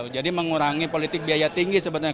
jadi mengurangi politik biaya tinggi sebenarnya